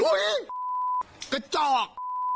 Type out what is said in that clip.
ไอ้กระจอก